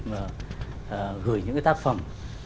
gửi những tác phẩm